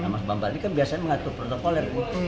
mas bambal ini kan biasanya mengatur protokolnya